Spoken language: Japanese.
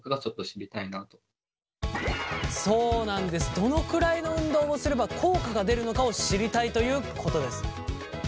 どのくらいの運動をすれば効果が出るのかを知りたいということです。